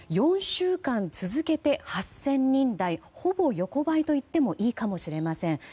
４週間続けて８０００人台ほぼ横ばいといってもいいかもしれません。